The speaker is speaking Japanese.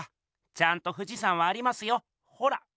ちゃんと富士山はありますよほら。